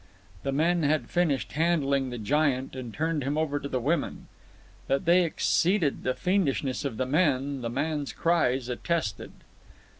The men had finished handling the giant and turned him over to the women. That they exceeded the fiendishness of the men, the man's cries attested.